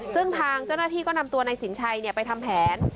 ซึ่งทางเจ้าหน้าที่ก็นำตัวนายสินชัยไปทำแผน